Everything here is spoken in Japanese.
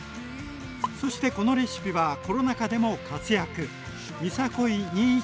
そしてこのレシピはコロナ禍でも活躍！